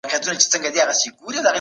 ما خپله خور بېدوله.